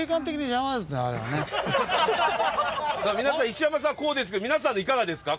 石山さんはこうですけど皆さんはいかがですか？